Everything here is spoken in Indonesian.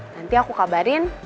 nanti aku kabarin